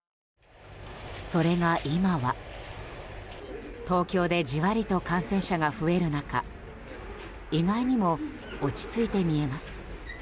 それが今は、東京でじわりと感染者が増える中意外にも落ち着いて見えます。